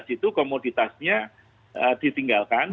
itu komoditasnya ditinggalkan